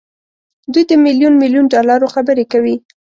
دوی د ميليون ميليون ډالرو خبرې کوي.